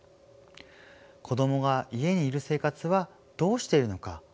子どもが家にいる生活はどうしているのか